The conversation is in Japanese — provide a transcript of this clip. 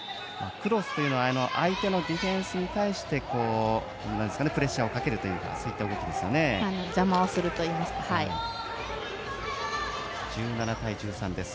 クロスというのは相手のディフェンスに対してプレッシャーをかけるというかそういった動きのことです。